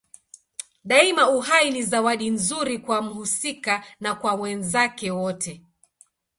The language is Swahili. Daima uhai ni zawadi nzuri kwa mhusika na kwa wenzake wote.